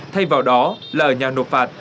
thay vào đó là ở nhà nộp phạt